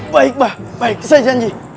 baik mbak baik saya janji